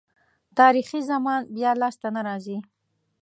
تاریخي زمان بیا لاسته نه راځي.